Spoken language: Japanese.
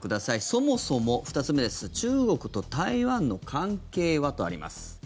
そもそも、２つ目です中国と台湾の関係は？とあります。